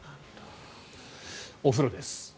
お風呂です。